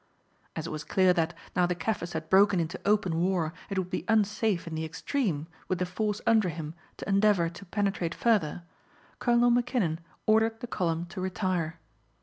As it was clear that, now the Kaffirs had broken into open war, it would be unsafe in the extreme with the force under him to endeavour to penetrate further, Colonel Mackinnon ordered the column to retire.